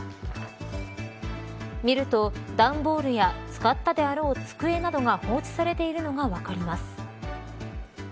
見ると、段ボールや使ったであろう机などが放置されているのが分かります。